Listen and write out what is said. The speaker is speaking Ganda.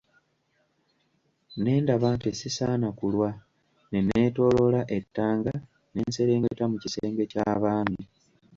Ne ndaba nti sisaana kulwa; ne neetooloola ettanga ne nserengeta mu kisenge ky'abaami.